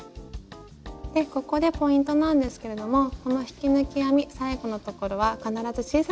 ここでポイントなんですけれどもこの引き抜き編み最後のところは必ず小さくして下さい。